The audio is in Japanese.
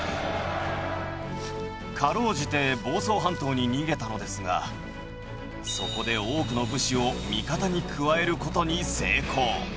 かろうじて房総半島に逃げたのですがそこで多くの武士を味方に加える事に成功。